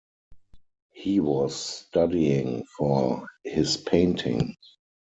He was studying for his painting.